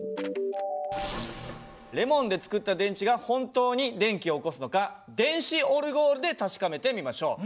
レモンで作った電池が本当に電気を起こすのか電子オルゴールで確かめてみましょう。